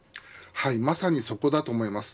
まさに、そこだと思います。